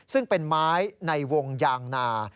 ซึ่งเป็นไม้ในวงยางนา